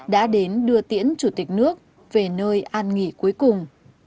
đã đến đưa tiễn chủ tịch nước về nơi an nghỉ cuối cùng